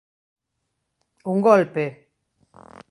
Un golpe!